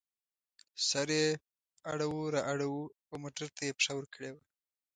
سر یې اړو را اړوو او موټر ته یې پښه ورکړې وه.